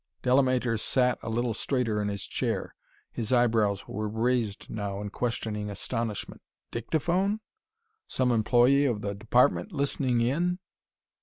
Delamater sat a little straighter in his chair; his eyebrows were raised now in questioning astonishment. "Dictaphone? Some employee of the Department listening in?"